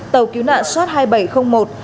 tàu cứu nạn sot hai nghìn bảy trăm linh một